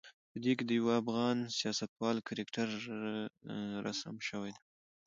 په دې کې د یوه افغان سیاستوال کرکتر رسم شوی دی.